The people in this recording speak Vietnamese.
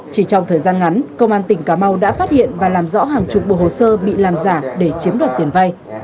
chỉ trong thời gian ngắn công an tỉnh cà mau đã phát hiện và làm rõ hàng chục bộ hồ sơ bị làm giả để chiếm đoạt tiền vay